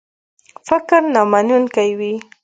فکر نامنونکی وي.